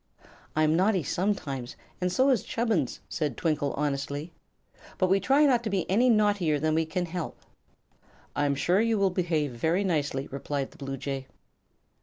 "I'm naughty sometimes, and so is Chubbins," said Twinkle, honestly. "But we try not to be any naughtier than we can help." "I am sure you will behave very nicely," replied the bluejay.